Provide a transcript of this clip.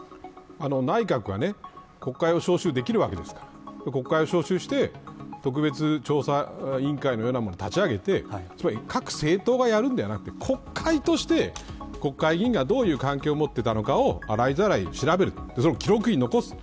内閣は国会を召集できるわけですから国会を召集して特別調査委員会などを立ち上げてつまり各政党がやるのではなく国会として、国会議員がどういう関係を持っていたのかを洗いざらい調べるそれを記録に残す。